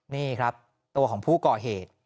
นี่ครับตัวของผู้ก่อเหตุ